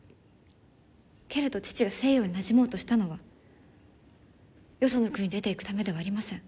けれど父が西洋になじもうとしたのはよその国に出ていくためではありません。